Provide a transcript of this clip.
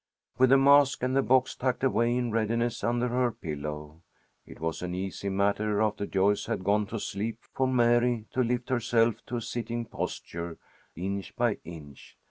With the mask and the box tucked away in readiness under her pillow, it was an easy matter after Joyce had gone to sleep for Mary to lift herself to a sitting posture, inch by inch.